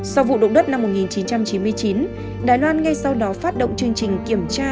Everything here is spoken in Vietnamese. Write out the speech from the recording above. sau vụ động đất năm một nghìn chín trăm chín mươi chín đài loan ngay sau đó phát động chương trình kiểm tra